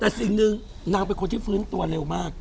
แต่สิ่งหนึ่งนางเป็นคนที่ฟื้นตัวเร็วมาก